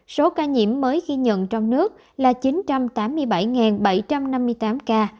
số ca nhiễm mới ghi nhận trong nước là chín trăm tám mươi bảy bảy trăm năm mươi tám ca